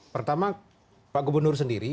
pertama pak gubernur sendiri